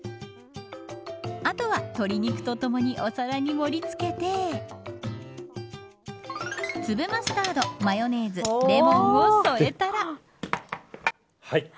あとは、鶏肉とともにお皿に盛り付けて粒マスタード、マヨネーズレモンを添えたら。